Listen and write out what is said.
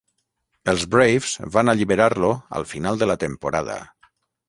Els Braves van alliberar-lo al final de la temporada.